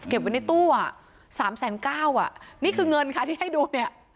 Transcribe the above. เก็บไว้ในตู้สามแสนเก้านี่คือเงินค่ะที่ให้ดูนี่